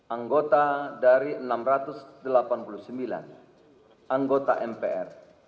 empat ratus satu anggota dari enam ratus delapan puluh sembilan anggota mpr